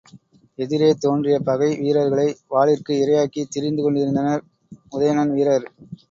எதிரே தோன்றிய பகை வீரர்களை வாளிற்கு இரையாக்கித் திரிந்து கொண்டிருந்தனர், உதயணன் வீரர்.